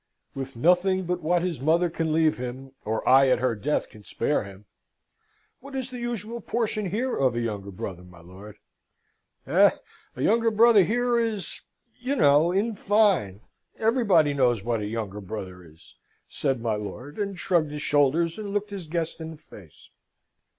"With nothing but what his mother can leave him, or I, at her death, can spare him. What is the usual portion here of a younger brother, my lord?" "Eh! a younger brother here is you know in fine, everybody knows what a younger brother is," said my lord, and shrugged his shoulders and looked his guest in the face.